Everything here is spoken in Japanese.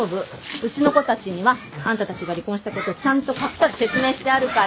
うちの子たちにはあんたたちが離婚したことちゃんと隠さず説明してあるから。